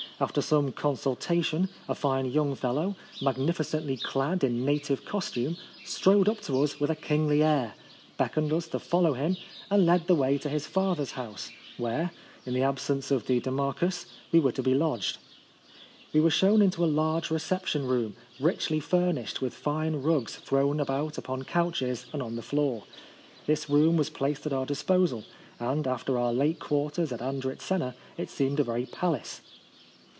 After some consulta tion, a fine young fellow, magni ficently clad in native costume, strode up to us with a kingly air, beckoned us to follow him, and led the way to his father's house, where, in the absence of the demarchus, we were to be lodged. We were shown into a large reception room, richly furnished, with fine rugs thrown about upon couches and on the floor. This room was placed at our disposal ; and, after our late quarters at Andritzena, it seemed a very palace.